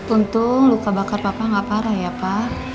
untung luka bakar papa gak parah ya pa